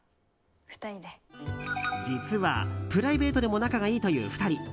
実はプライベートでも仲がいいという２人。